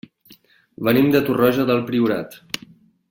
Venim de Torroja del Priorat.